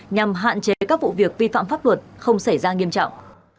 nhằm hạn chế các vụ việc vi phạm pháp luật không xảy ra nghiêm trọng